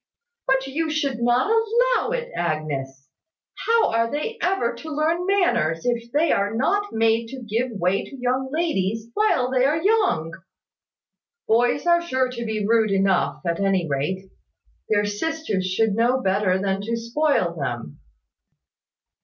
"But you should not allow it, Agnes. How are they ever to learn manners, if they are not made to give way to young ladies while they are young? Boys are sure to be rude enough, at any rate. Their sisters should know better than to spoil them."